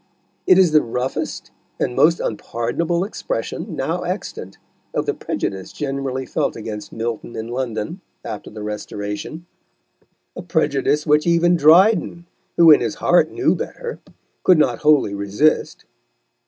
It is the roughest and most unpardonable expression now extant of the prejudice generally felt against Milton in London, after the Restoration a prejudice which even Dryden, who in his heart knew better, could not wholly resist.